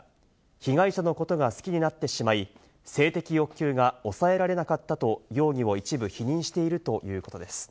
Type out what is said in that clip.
被害者のことが好きになってしまい、性的欲求が抑えられなかったと容疑を一部否認しているということです。